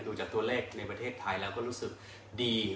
ดูจากตัวเลขในประเทศไทยแล้วก็รู้สึกดี